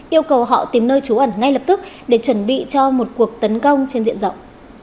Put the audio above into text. yêu cầu họ tìm nơi trú ẩn ngay lập tức để chuẩn bị cho một cuộc tấn công trên diện rộng